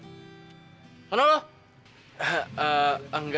kolaknya keliatannya enak banget ya